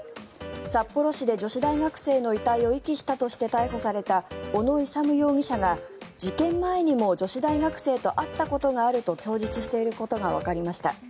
札幌市で女子大学生の遺体を遺棄したとして逮捕された小野勇容疑者が事件前にも女子大学生と会ったことがあると供述していることがわかりました。